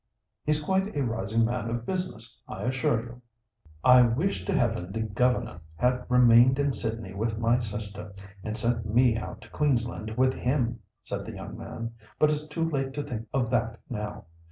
He's quite a rising man of business, I assure you." "I wish to heaven the governor had remained in Sydney with my sister, and sent me out to Queensland with him," said the young man; "but it's too late to think of that now.